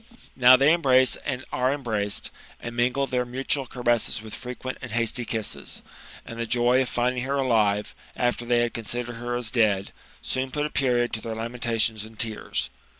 Now they embrace and are embraced, and mingle their mutual caressess with frequent and hasty kisses ; and the joy of finding her alive, after they considered her as dead, soon put a period to their lamentations and tears.